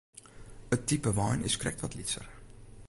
It type wein is krekt wat lytser.